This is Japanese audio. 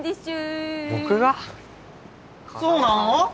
そうなの？